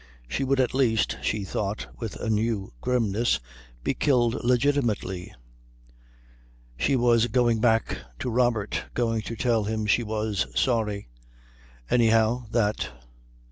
She would at least, she thought with a new grimness, be killed legitimately. She was going back to Robert, going to tell him she was sorry. Anyhow that.